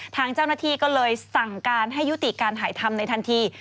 ทางเจ้าหน้าที่ก็เลยสั่งการให้ยุติการถ่ายทำในทันที